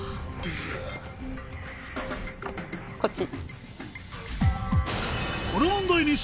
こっち。